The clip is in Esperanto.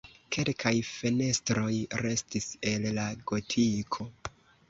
Kelkaj fenestroj restis el la gotiko.